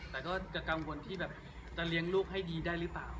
แต่ก็จะกังวลที่แบบจะเลี้ยงลูกให้ดีได้หรือเปล่า